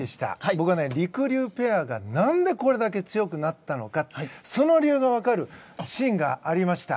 僕はりくりゅうペアが何でこれだけ強くなったのかその理由が分かるシーンがありました。